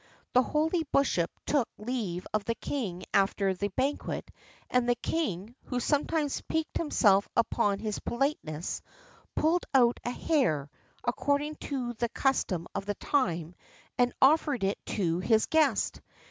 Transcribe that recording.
The holy bishop took leave of the king after the banquet, and the king, who sometimes piqued himself upon his politeness, pulled out a hair, according to the custom of the time, and offered it to his guest.